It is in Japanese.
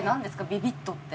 「ビビッと」って。